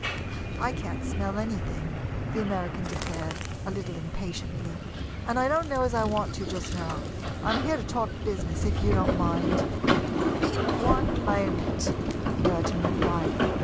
"I can't smell anything," the American declared, a little impatiently, "and I don't know as I want to just now. I am here to talk business, if you don't mind." "In one moment," Burton replied.